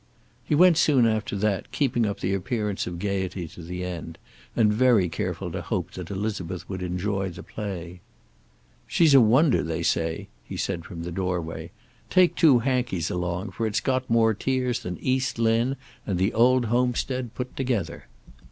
He went soon after that, keeping up an appearance of gaiety to the end, and very careful to hope that Elizabeth would enjoy the play. "She's a wonder, they say," he said from the doorway. "Take two hankies along, for it's got more tears than 'East Lynne' and 'The Old Homestead' put together."